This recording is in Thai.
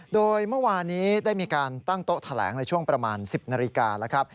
โดยเมื่อวานี้ได้มีการตั้งโต๊ะแถลงในช่วงประมาณ๑๐นาฬิกาแล้วครับ